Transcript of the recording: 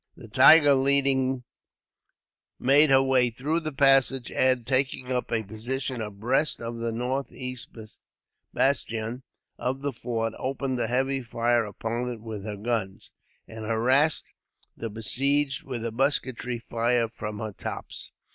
The Tiger, leading, made her way through the passage and, taking up a position abreast of the northeast bastion of the fort, opened a heavy fire upon it with her guns, and harassed the besieged with a musketry fire from her tops.